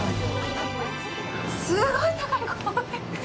すごい高い。